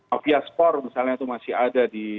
aviaspor misalnya itu masih ada di